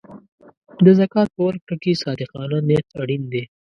د زکات په ورکړه کې صادقانه نیت اړین دی.